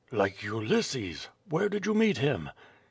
"Like Ulysses? Where did you meet him?''